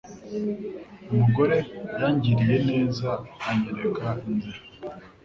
Umugore yangiriye neza anyereka inzira.